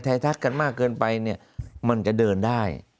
ทักกันมากเกินไปเนี่ยมันจะเดินได้